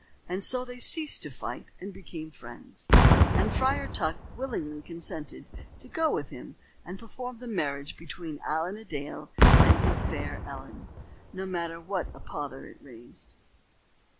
And so they ceased to fight and became friends; and Friar Tuck willingly consented to go with him and perform the marriage between Allen a Dale and his fair Ellen, no matter what a pother it raised.